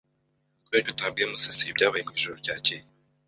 Kuberiki utabwiye Musasira ibyabaye mwijoro ryakeye?